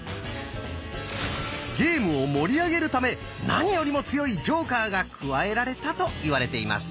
ゲームを盛り上げるため何よりも強いジョーカーが加えられたといわれています。